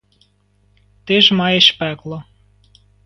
Ти ж маєш пекло.